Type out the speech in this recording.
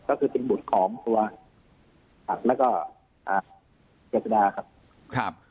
ก็คือเป็นบุตรของตัวครับแล้วก็อ่าเกียรติดาครับครับ